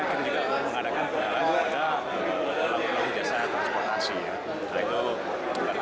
kondusivitas perusahaan transportasi